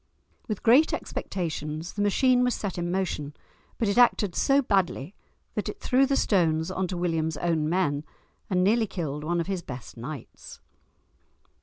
With great expectations the machine was set in motion, but it acted so badly that it threw the stones on to William's own men, and nearly killed one of his best knights!